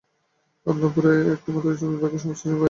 অন্তঃপুরে এই একটুমাত্র জমি, বাকি সমস্ত জমি বাইরের দিকে।